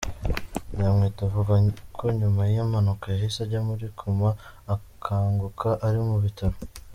Nzamwita avuga ko nyuma y’impanuka yahise ajya muri koma, akanguka ari mu bitaro.